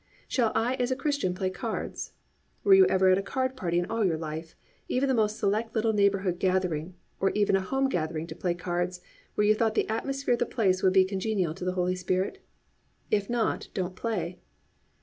Shall I as a Christian play cards? Were you ever at a card party in all your life, even the most select little neighbourhood gathering, or even a home gathering to play cards, where you thought the atmosphere of the place would be congenial to the Holy Spirit? If not, don't play.